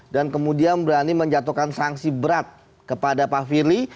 dan kemudian berani menjatuhkan sanksi berat kepada pak firly